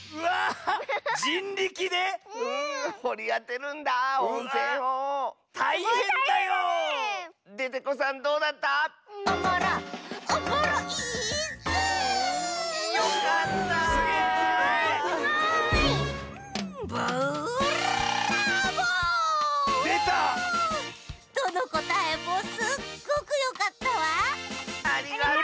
ありがとう！